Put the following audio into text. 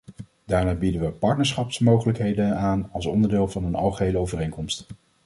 Daarna bieden we partnerschapsmogelijkheden aan als onderdeel van een algehele overeenkomst.